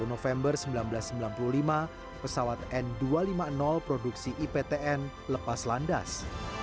dua puluh november seribu sembilan ratus sembilan puluh lima pesawat n dua ratus lima puluh produksi iptn lepas landas